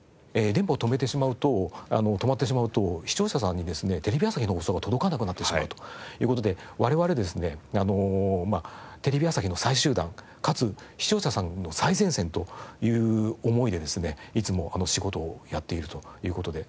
電波を止めてしまうと止まってしまうと視聴者さんにですねテレビ朝日の放送が届かなくなってしまうという事で我々ですねテレビ朝日の最終段かつ視聴者さんの最前線という思いでですねいつも仕事をやっているという事で。